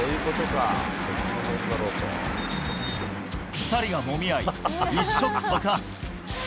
２人がもみ合い、一触即発。